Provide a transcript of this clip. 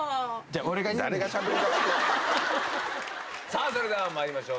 いや、さあ、それではまいりましょう。